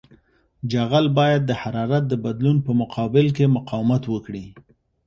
جغل باید د حرارت د بدلون په مقابل کې مقاومت وکړي